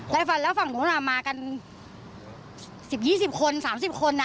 ไร่ฟันแล้วฝั่งโน้นอ่ะมากันสิบยี่สิบคนสามสิบคนอ่ะ